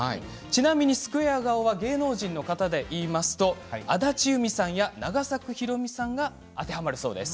スクエア顔は芸能人の方でいいますと安達祐実さんや永作博美さんが当てはまるそうです。